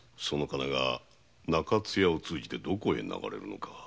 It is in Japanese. その金が中津屋を通じどこへ流れるのか。